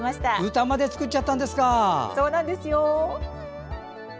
歌まで作っちゃったんですか。